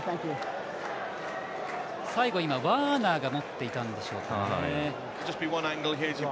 最後、ワーナーが持っていたんでしょうかね。